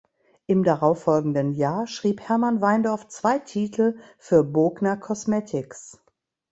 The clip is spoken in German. Im darauffolgenden Jahr schrieb Hermann Weindorf zwei Titel für Bogner Cosmetics.